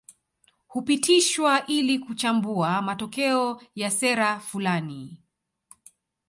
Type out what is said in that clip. Hupitishwa ili kuchambua matokeo ya sera fulani